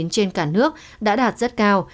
trên cả nước đã đạt rất cao